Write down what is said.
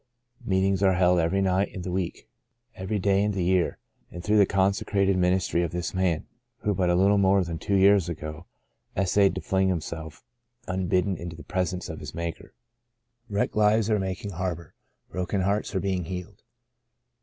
Meetings are held every night in the week — every day in the year, and through the consecrated ministry of this man, who but a little more than two years ago essayed to fling himself unbidden into the presence of his Maker, wrecked lives are making har bour, broken hearts are being healed.